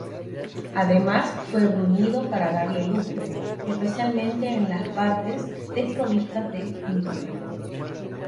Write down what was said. Además fue bruñido para darle lustre, especialmente en las las partes desprovistas de pintura.